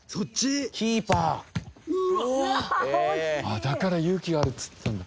「ああだから勇気があるっつってたんだ」